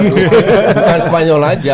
bukan spanyol aja